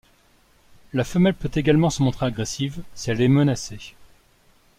La femelle peut également se montrer agressive si elle est menacée.